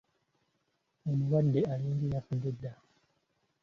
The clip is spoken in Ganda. Omulwadde alinga eyafudde edda!